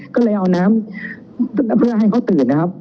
ก็เลยเอาน้ำเพื่อให้เขาตื่นนะครับ